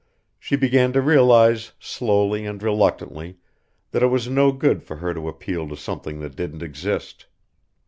She began to realise slowly and reluctantly that it was no good for her to appeal to something that didn't exist.